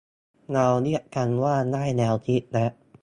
เราเรียกกันว่า ได้แนวคิดและ